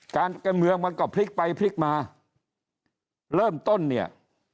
การเมืองมันก็พลิกไปพลิกมาเริ่มต้นเนี่ย